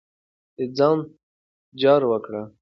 د ځان جار وکړه.